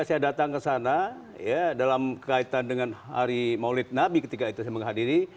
saya datang ke sana dalam kaitan dengan hari maulid nabi ketika itu saya menghadiri